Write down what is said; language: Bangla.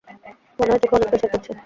মনে হয় চোখে অনেক প্রেসার পরছে।